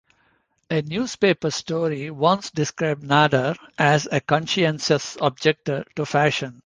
A newspaper story once described Nader as a "conscientious objector to fashion".